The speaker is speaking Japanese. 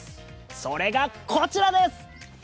それがこちらです！